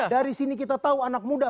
dari sini kita tahu anak muda